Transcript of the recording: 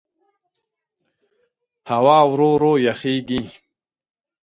هوا ورو ورو یخېږي.